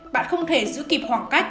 bạn không thể giữ kịp hoảng cách